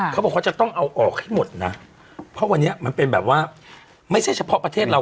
เขาบอกเขาจะต้องเอาออกให้หมดนะเพราะวันนี้มันเป็นแบบว่าไม่ใช่เฉพาะประเทศเรา